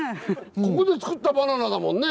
ここで作ったバナナだもんね？